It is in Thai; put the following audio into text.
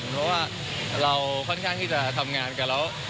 เพราะว่าเราค่อนข้างที่จะทำงานกันแล้ว